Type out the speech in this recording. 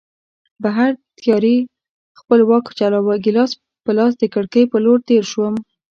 بهر تیارې خپل واک چلاوه، ګیلاس په لاس د کړکۍ په لور تېر شوم.